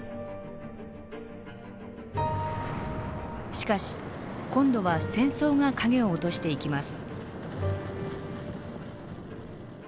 しかし今度は戦争が影を落としていきます。